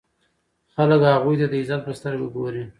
خلک هغوی ته د عزت په سترګه ګوري.